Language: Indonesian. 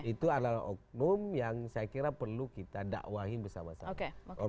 itu adalah oknum yang saya kira perlu kita dakwahi bersama sama